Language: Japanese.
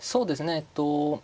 えっと